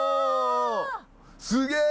すげえ！